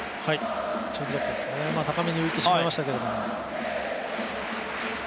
チェンジアップですね、高めに浮いてしまいましたけど。